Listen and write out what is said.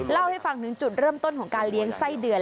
เล่าให้ฟังถึงจุดเริ่มต้นของการเลี้ยงไส้เดือน